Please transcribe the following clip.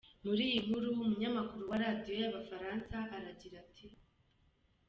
Muri iyi nkuru umunyamakuru wa Radio y’abafaransa aragira ati: